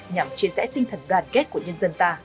nhằm chia sẻ tinh thần đoàn kết